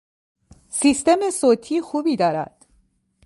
سیستم صوتی خوبی دارد.